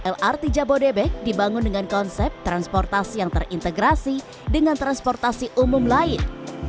lrt jabodebek dibangun dengan konsep transportasi yang terintegrasi dengan transportasi umum lain